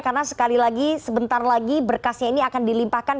karena sebentar lagi berkasnya ini akan dilimpahkan